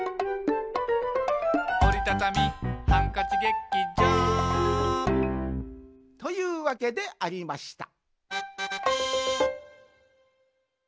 「おりたたみハンカチ劇場」というわけでありました